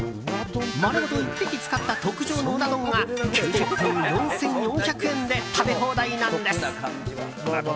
まるごと１匹使った特上のうな丼が９０分、４４００円で食べ放題なんです。